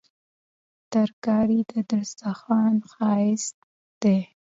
ترکاري د سترخوان ښايست دی